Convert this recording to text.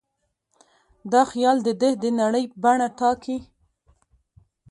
دا خیال د ده د نړۍ بڼه ټاکي.